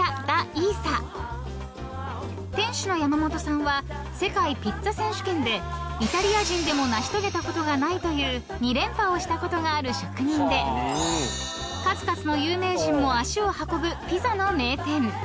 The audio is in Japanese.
［店主の山本さんは世界ピッツァ選手権でイタリア人でも成し遂げたことがないという２連覇をしたことがある職人で数々の有名人も足を運ぶピザの名店］